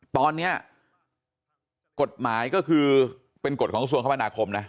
ตอนนี้กฎหมายก็คือเป็นกฎของกระทรวงคมนาคมนะ